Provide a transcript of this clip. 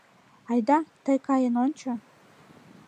Айда, тый каен ончо.